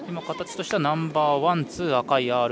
形としてはナンバーワン、ツーが赤いＲＯＣ。